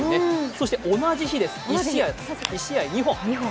そして同じ日です、１試合２本。